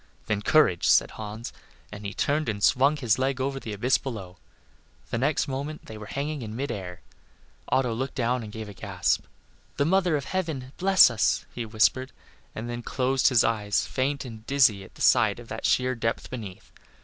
"Then courage," said Hans, and he turned and swung his leg over the abyss below. The next moment they were hanging in mid air. Otto looked down and gave a gasp. "The mother of heaven bless us," he whispered, and then closed his eyes, faint and dizzy at the sight of that sheer depth beneath.